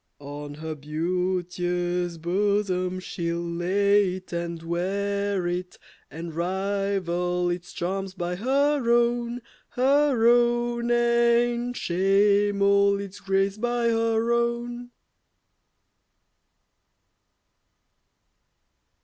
On her beauteous bosom she'll lay it and wear it And rival its charms by her own, Her own, And shame all its grace by her own.